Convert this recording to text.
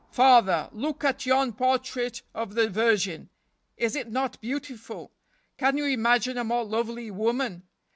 Father, look at yon portrait of the Virgin. Is it not beautiful? Can you imagine a more lovely woman?